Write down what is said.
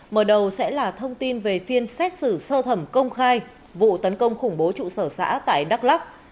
mở đầu sẽ là thông tin về phiên xét xử sơ thẩm công khai vụ tấn công khủng bố trụ sở xã tại đắk lắc